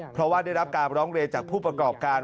เพราะว่าได้รับการร้องเรียนจากผู้ประกอบการ